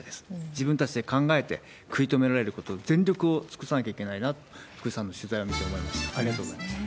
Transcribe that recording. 自分たちで考えて、食い止められること、全力を尽くさなきゃいけないなと、福さんの取材を見て思いました、ありがとうございました。